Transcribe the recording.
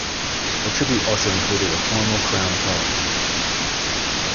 The Tribute also included a formal Crown Apology.